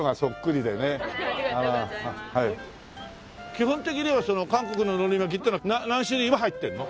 基本的には韓国の海苔巻きってのは何種類も入ってんの？